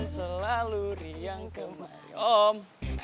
selalu riang kemarin om